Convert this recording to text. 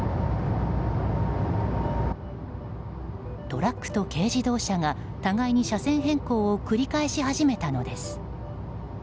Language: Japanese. トラックと軽自動車が互いに車線変更を繰り返し始めたのです。